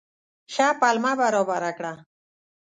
ښه پلمه برابره کړه.